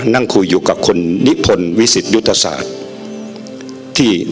นั่งคุยอยู่กับคนนิพพลวิสิตยุทธศาสตร์